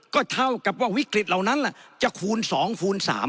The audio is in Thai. ก็เท่ากับว่าวิกฤตเหล่านั้นแหละจะคูณ๒คูณ๓